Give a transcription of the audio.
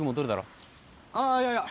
ああいやいや。